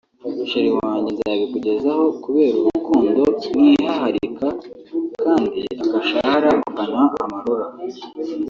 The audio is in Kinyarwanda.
cher wanjye nzabikugezaho kubera urukundo nkihaharika kandi agashahara ukanywa amarura